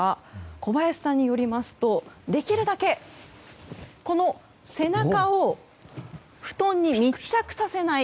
小林さんによりますとできるだけ、背中を布団に密着させない。